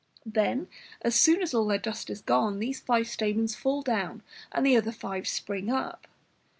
Then, as soon as all their dust is gone, these five stamens fall down, and the other five spring up.